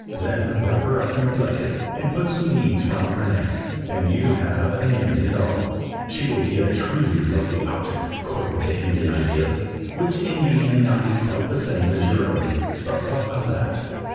Then wrap her up in a blanket and put some beads round her neck, and you have an Indian doll. She will be a truly lovely object, according to Indian ideas, which indeed may not be quite the same as your own, but what of that?"